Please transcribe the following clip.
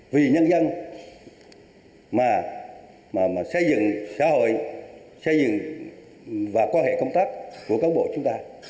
vì nhân dân mà xây dựng xã hội xây dựng và quan hệ công tác của các bộ chúng ta